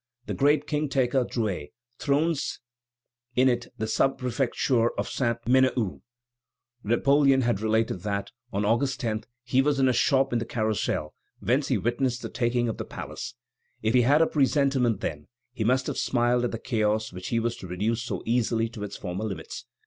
The great king taker, Drouet, thrones it in the sub prefecture of Sainte Menehould. Napoleon has related that, on August 10, he was in a shop in the Carrousel, whence he witnessed the taking of the palace. If he had a presentiment then, he must have smiled at the chaos which he was to reduce so easily to its former limits.